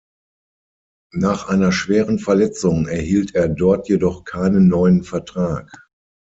Nach einer schweren Verletzung erhielt er dort jedoch keinen neuen Vertrag.